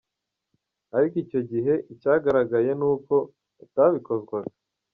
Ariko icyo gihe, icyagaragaye ni uko batabikozwaga!